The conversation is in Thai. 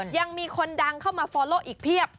ยังมีคนดังเข้ามาฟอลโลอีกเพียบ